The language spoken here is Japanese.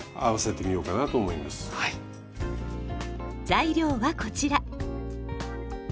材料はこちら。